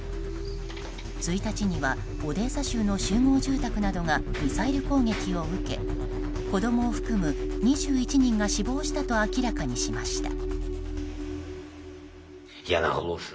１日にはオデーサ州の集合住宅などがミサイル攻撃を受け子供を含む２１人が死亡したと明らかにしました。